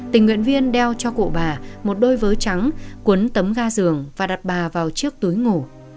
tình nguyện viên đeo cho cụ bà một đôi vớ trắng cuốn ga giường và đặt bà vào chiếc túi ngủ